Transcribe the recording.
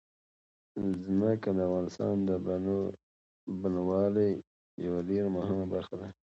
ځمکه د افغانستان د بڼوالۍ یوه ډېره مهمه برخه ده.